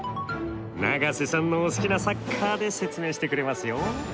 永瀬さんのお好きなサッカーで説明してくれますよ。